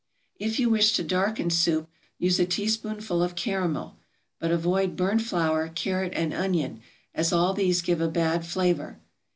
If you wish to darken soup use a teaspoonful of caramel; but avoid burnt flour, carrot, and onion, as all these give a bad flavor.